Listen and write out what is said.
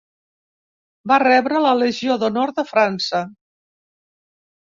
Va rebre la Legió d'Honor de França.